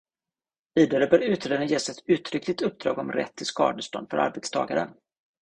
Vidare bör utredaren ges ett uttryckligt uppdrag om rätt till skadestånd för arbetstagare.